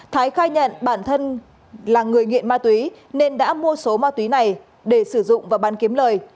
thái khai nhận bản thân là người nghiện ma túy nên đã mua số ma túy này để sử dụng và bán kiếm lời